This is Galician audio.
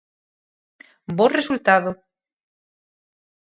Bo resultado.